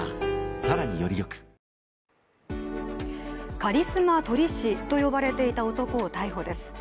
カリスマ撮り師と呼ばれていた男を逮捕です。